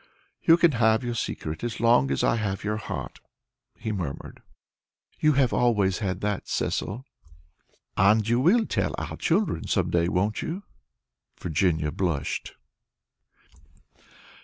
"You can have your secret as long as I have your heart," he murmured. "You have always had that, Cecil." "And you will tell our children some day, won't you?" Virginia blushed.